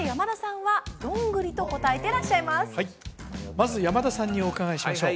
まず山田さんにお伺いしましょう